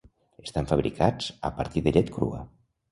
Estan fabricats a partir de llet crua.